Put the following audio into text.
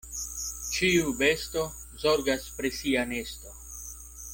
Ĉiu besto zorgas pri sia nesto.